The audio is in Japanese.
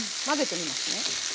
混ぜてみますね。